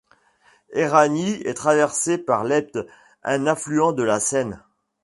Éragny est traversée par l’Epte, un affluent de la Seine.